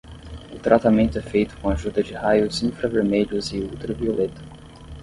O tratamento é feito com ajuda de raios infravermelhos e ultravioleta.